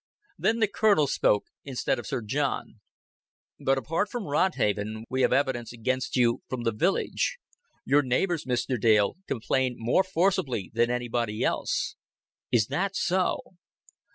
Then the Colonel spoke instead of Sir John. "But apart from Rodhaven, we have evidence against you from the village. Your neighbors, Mr. Dale, complain more forcibly than anybody else." "Is that so?"